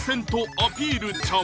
アピルちゃん」